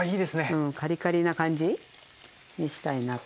うんカリカリな感じにしたいなと。